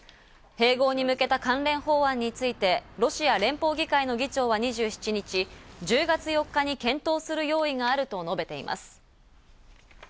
併合に向けた関連法案について、ロシア連邦議会の議長は２７日、１０月４日に検討する用意があると述べています。